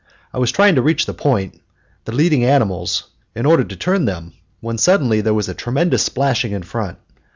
I was trying to reach the point the leading animals in order to turn them, when suddenly there was a tremendous splashing in front.